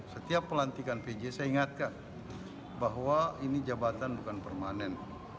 setiap pelantikan pj saya ingatkan bahwa ini jabatan bukan permanen